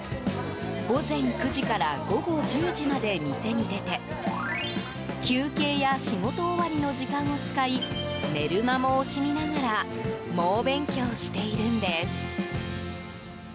午前９時から午後１０時まで店に出て休憩や仕事終わりの時間を使い寝る間も惜しみながら猛勉強しているんです。